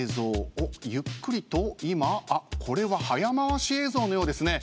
おっゆっくりと今あっこれは早回し映像のようですね。